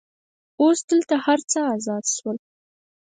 اوس دلته هر څه آزاد شول.